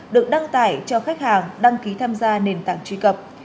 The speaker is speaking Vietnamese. được đăng tải cho khách hàng đăng ký tham gia nền tảng truy cập